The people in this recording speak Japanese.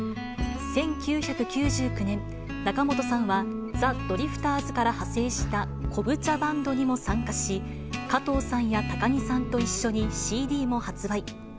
１９９９年、仲本さんは、ザ・ドリフターズから派生したこぶ茶バンドにも参加し、加藤さんや高木さんと一緒にＣＤも発売。